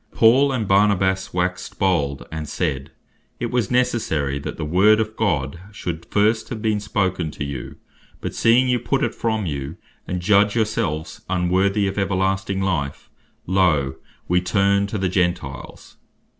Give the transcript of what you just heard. "Then Paul and Barnabas waxed bold, and said, It was necessary that the Word of God should first have been spoken to you, but seeing you put it from you, and judge your selves unworthy of everlasting life, loe, we turn to the Gentiles."